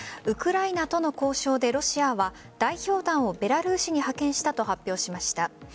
ウクライナとの交渉でロシアは代表団をベラルーシに派遣したと発表しました。